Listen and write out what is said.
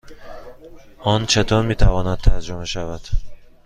آن چطور می تواند ترجمه شود؟